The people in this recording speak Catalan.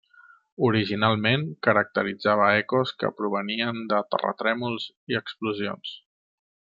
Originalment caracteritzava ecos que provenien de terratrèmols i explosions.